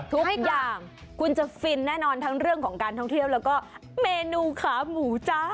ทุกอย่างคุณจะฟินแน่นอนทั้งเรื่องของการท่องเที่ยวแล้วก็เมนูขาหมูจ้า